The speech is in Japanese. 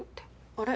あれ？